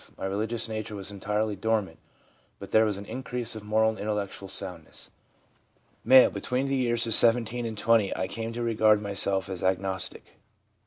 My religious nature was entirely dormant, but there was an increase of moral and intellectual soundness/ M. 'Between the years of 17 and 20 I came to regard myself as an agnostic.